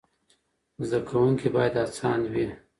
زده کوونکي باید هڅاند وي.